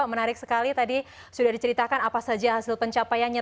menarik sekali tadi sudah diceritakan apa saja hasil pencapaiannya